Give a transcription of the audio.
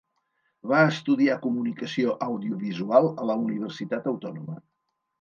Va estudiar Comunicació Audiovisual a la Universitat Autònoma.